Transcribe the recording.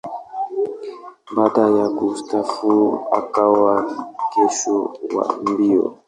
Baada ya kustaafu, akawa kocha wa mbio.